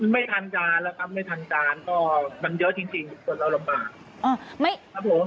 ไม่ทันการนะครับไม่ทันการก็มันเยอะจริงส่วนเราลำบาก